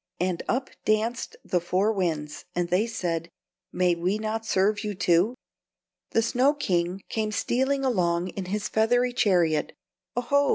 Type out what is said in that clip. And up danced the Four Winds, and they said: "May we not serve you, too?" The snow king came stealing along in his feathery chariot. "Oho!"